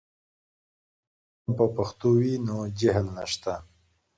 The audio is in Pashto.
که علم په پښتو وي، نو جهل نشته.